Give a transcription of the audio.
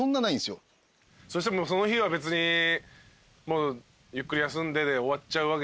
そしたらもうその日は別にゆっくり休んでで終わっちゃう。